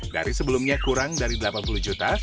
dari sebelumnya kurang dari delapan puluh juta